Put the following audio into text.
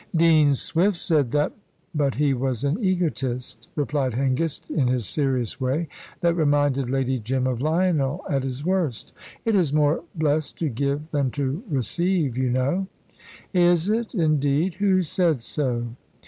"Dean Swift said that, but he was an egotist," replied Hengist, in his serious way, that reminded Lady Jim of Lionel at his worst. "It is more blessed to give than to receive, you know." "Is it, indeed? Who said so?"